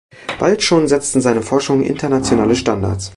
Bald schon setzten seine Forschungen internationale Standards.